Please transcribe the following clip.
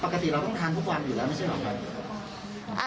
ปกติเราต้องทานทุกวันอยู่แล้วไม่ใช่เหรอครับ